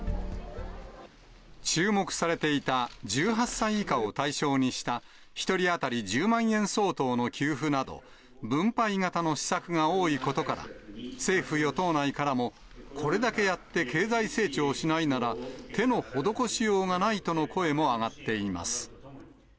注目されていた１８歳以下を対象にした１人当たり１０万円相当の給付など、分配型の施策が多いことから、政府・与党内からも、これだけやって経済成長しないなら手の施しようがないとの声も上がっています。